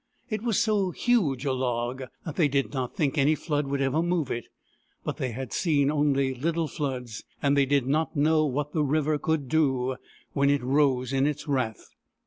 It was so huge a log that they did not think any flood would ever move it. But they had seen only little floods, and they did not know what the river could do when it rose in its wrath.